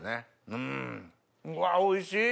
うわおいしい！